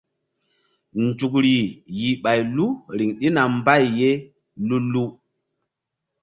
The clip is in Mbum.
Nzukri yih ɓay lu riŋ ɗina mbay ye lu-lu.